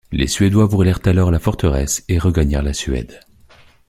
Les Suédois brûlèrent alors la forteresse et regagnèrent la Suède.